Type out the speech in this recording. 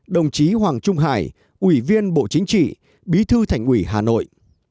một mươi năm đồng chí hoàng trung hải ủy viên bộ chính trị bí thư thành ủy hà nội